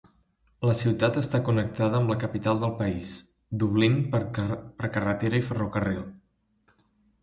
La ciutat està connectada amb la capital del país, Dublín per carretera i ferrocarril.